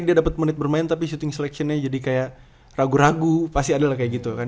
dia dapat menit bermain tapi syuting selectionnya jadi kayak ragu ragu pasti adalah kayak gitu kan